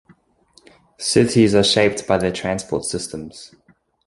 Cities are shaped by their transport systems.